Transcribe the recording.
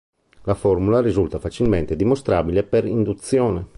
La formula risulta facilmente dimostrabile per induzione.